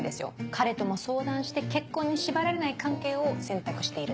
彼とも相談して結婚に縛られない関係を選択しているだけで。